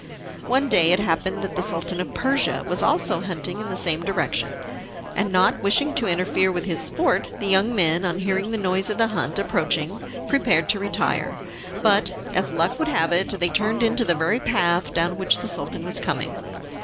One day it happened that the Sultan of Persia was also hunting in the same direction, and, not wishing to interfere with his sport, the young men, on hearing the noise of the hunt approaching, prepared to retire, but, as luck would have it, they turned into the very path down which the Sultan was coming.